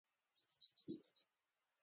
زه روان شوم او د خپلې ډلګۍ خواته ورغلم